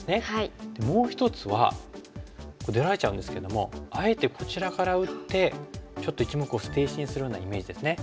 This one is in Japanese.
もう一つは出られちゃうんですけどもあえてこちらから打ってちょっと１目を捨て石にするようなイメージですね。